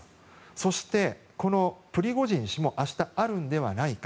そして、プリゴジン氏も明日あるのではないか。